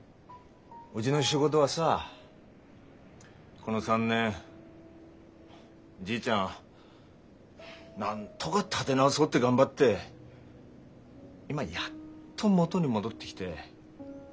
この３年じいちゃんなんとか立て直そうって頑張って今やっと元に戻ってきて。